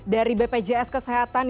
dari bpjs kesehatan